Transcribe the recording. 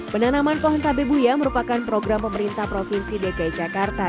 penanaman pohon tabebuya merupakan program pemerintah provinsi dki jakarta